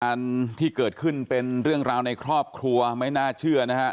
การที่เกิดขึ้นเป็นเรื่องราวในครอบครัวไม่น่าเชื่อนะฮะ